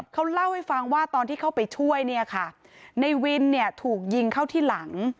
เขาเล่าให้ฟังว่าตอนที่เข้าไปช่วยเนี่ยค่ะในวินเนี่ยถูกยิงเข้าที่หลัง